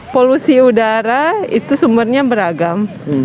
polusi udara itu sumbernya beragam